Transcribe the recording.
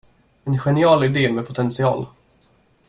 En genial idé med potential.